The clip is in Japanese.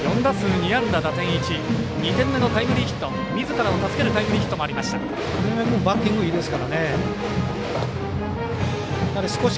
２点目のタイムリーヒットみずからを助けるタイムリーヒットがありました。